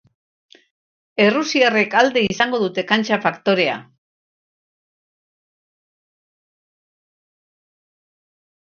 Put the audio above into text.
Errusiarrek alde izango dute kantxa faktorea.